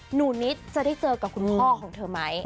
หนูนิดจะได้เจอกับคุณพ่อของเธอไหม